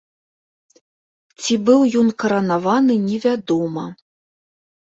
Ці быў ён каранаваны невядома.